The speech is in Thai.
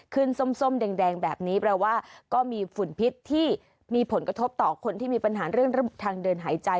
ส้มแดงแบบนี้แปลว่าก็มีฝุ่นพิษที่มีผลกระทบต่อคนที่มีปัญหาเรื่องระบบทางเดินหายใจ